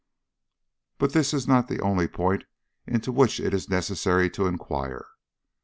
But this is not the only point into which it is necessary to inquire.